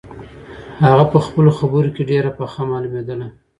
هغه په خپلو خبرو کې ډېره پخه معلومېدله.